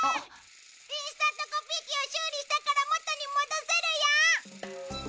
インスタントコピー機を修理したからもとに戻せるよ！